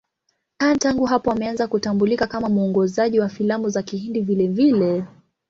Khan tangu hapo ameanza kutambulika kama mwongozaji wa filamu za Kihindi vilevile.